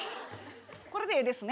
これでええですね。